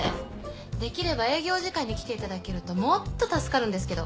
できれば営業時間に来ていただけるともっと助かるんですけど。